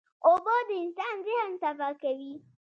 اوبه د انسان ذهن صفا کوي.